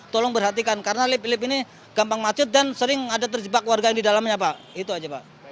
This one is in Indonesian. tolong perhatikan karena lift lift ini gampang macet dan sering ada terjebak warga yang di dalamnya pak itu aja pak